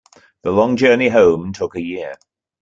The long journey home took a year.